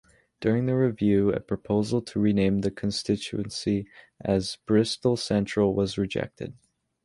During the review, a proposal to rename the constituency as "Bristol Central" was rejected.